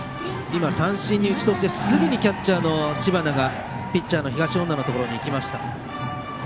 三振に打ち取ってすぐにキャッチャーの知花がピッチャーの東恩納のところに行きました。